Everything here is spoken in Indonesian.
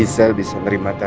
lo sebagai tante hati